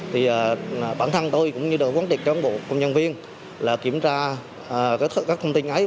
thì bản thân tôi cũng như đồng quán tiệc trong bộ công nhân viên là kiểm tra các thông tin ấy